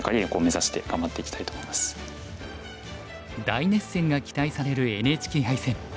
大熱戦が期待されるＮＨＫ杯戦。